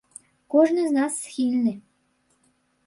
Кожны з нас схільны.